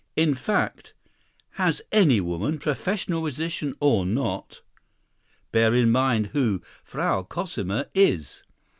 In fact, has any woman, professional musician or not? Bear in mind who "Frau Cosima" is.